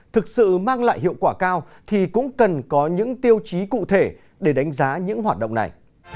thực sự mang lại hiệu quả cao thì cũng cần có những tiêu chí cụ thể để đánh giá những hoạt động này